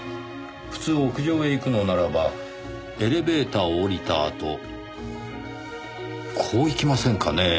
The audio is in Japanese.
普通屋上へ行くのならばエレベーターを降りたあとこう行きませんかねぇ？